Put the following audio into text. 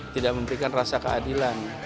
tidak memberikan rasa keadilan